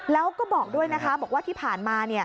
แล้วก็บอกด้วยนะคะบอกว่าที่ผ่านมา